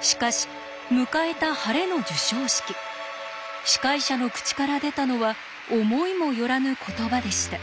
しかし迎えたハレの授賞式司会者の口から出たのは思いも寄らぬ言葉でした。